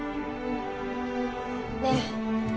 ねえ。